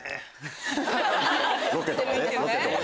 ロケとかね。